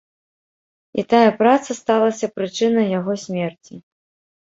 І тая праца сталася прычынай яго смерці.